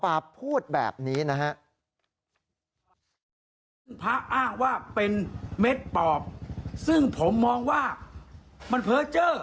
สายลูกไว้อย่าใส่